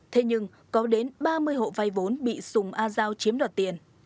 thế nhưng có đến ba mươi hộ vay vốn bị sùng a giao chiếm đoạt tiền